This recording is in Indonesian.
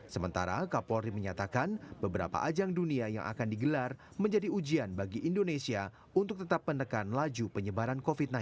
sementara kapolri menyatakan beberapa ajang dunia yang akan digelar menjadi ujian bagi indonesia untuk tetap menekan laju penyebaran covid sembilan belas